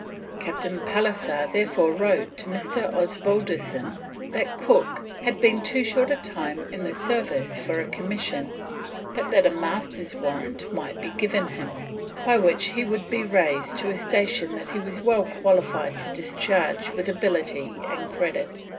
Captain Pallisser therefore wrote to Mr. Osbaldiston that Cook: "had been too short a time in the service for a commission, but that a Master's warrant might be given him, by which he would be raised to a station that he was well qualified to discharge with ability and credit."